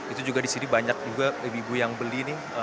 itu juga di sini banyak juga ibu ibu yang beli nih